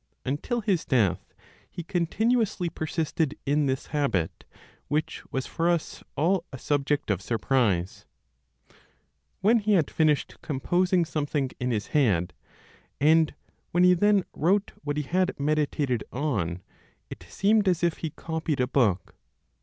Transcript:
Until his death he continuously persisted in this habit, which was for us all a subject of surprise. When he had finished composing something in his head, and when he then wrote what he had meditated on, it seemed as if he copied a book.